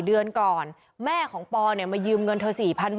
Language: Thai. อือโดนด่าครับ